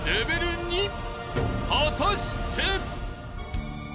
［果たして］